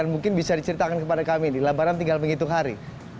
dan mungkin bisa diceritakan kepada kami di labaran tinggal menghitung hari